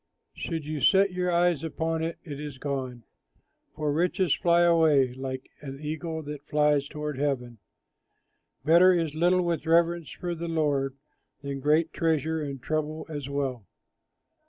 Should you set your eyes upon it, it is gone! For riches fly away, Like an eagle that flies toward heaven. Better is little with reverence for the Lord Than great treasure and trouble as well.